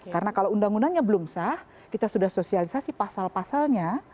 karena kalau undang undangnya belum sah kita sudah sosialisasi pasal pasalnya